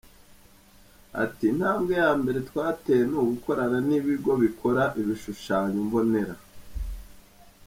Ati “Intambwe ya mbere twateye ni ugukorana n’ibigo bikora ibishushanyo mbonera.